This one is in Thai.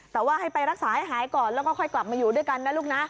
แต่ว่าให้ไปรักษาให้หายก่อนแล้วก็ค่อยกลับมาอยู่ด้วยกันนะลูกนะ